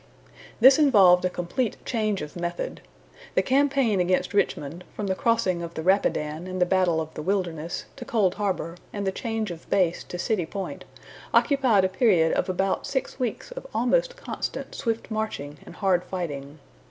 This involved a complete change of method. The campaign against Richmond, from the crossing of the Rapidan and battle of the Wilderness, to Cold Harbor, and the change of base to City Point, occupied a period of about six weeks of almost constant swift marching and hard fighting.